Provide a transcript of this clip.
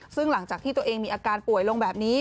ซึ่งหลังจากที่ตัวเองมีอาการป่วยลงแบบนี้